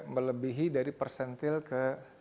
melebihi dari persentil ke sembilan puluh lima